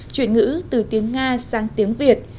chuyển ngữ từ tiếng nga sang tiếng việt